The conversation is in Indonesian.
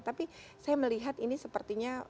tapi saya melihat ini sepertinya